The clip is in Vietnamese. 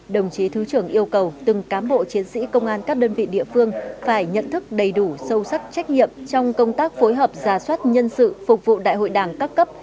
đồng chí thứ trưởng yêu cầu từng cám bộ chiến sĩ công an các đơn vị địa phương phải nhận thức đầy đủ sâu sắc trách nhiệm trong công tác phối hợp giả soát nhân sự phục vụ đại hội đảng các cấp